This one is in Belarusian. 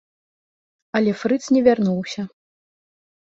Але фрыц не вярнуўся.